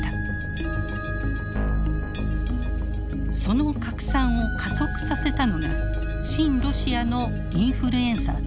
その拡散を加速させたのが親ロシアのインフルエンサーたち。